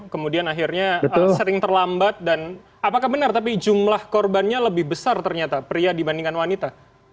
kemudian akhirnya setting terlambat dan apakah benar tapi jumlah korbannya lebih besar ternyata pria dibandingkan wanita